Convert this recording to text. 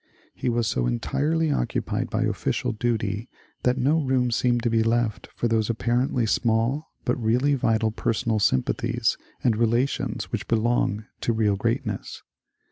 He was so entirely occupied by official duty that no room seemed to be left for those appar ently small but really vital personal sympathies and relations which belong to real greatness.